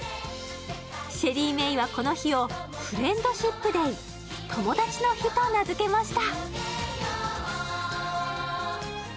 シェリーメイはこの日をフレンドシップ・デイ、友達の日と名づけました。